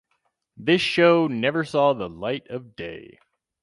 This show never saw the light of day.